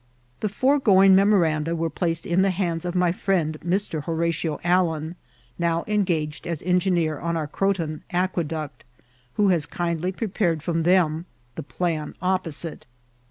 The foregoing memoranda were placed in the hands of my friend Mr. Horatio Allen (now engaged as en* gineer on our CroCon Aqueduct), who has kindly pre pared from them the plan opposite.